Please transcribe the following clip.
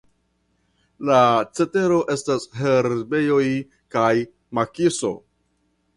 La cetero estas herbejoj kaj makiso.